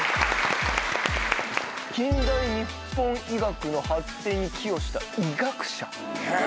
「近代日本医学の発展に寄与した医学者⁉」。